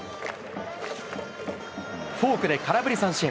フォークで空振り三振。